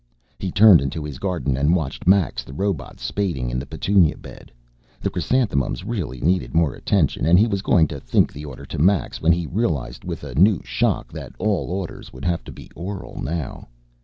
He turned into his garden and watched Max, the robot, spading in the petunia bed. The chrysanthemums really needed more attention and he was going to think the order to Max when he realized with a new shock that all orders would have to be oral now.